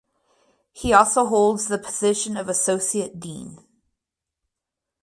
He also holds the position of Associate Dean.